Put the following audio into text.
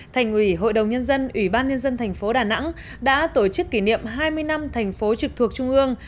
thành ủy hội đồng nhân dân ủy ban nhân dân thành phố đà nẵng đã tổ chức kỷ niệm hai mươi năm thành phố trực thuộc trung ương